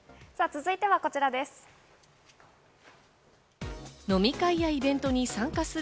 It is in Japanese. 続いてはこちらです。